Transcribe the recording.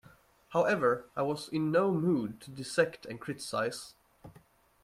However, I was in no mood to dissect and criticize.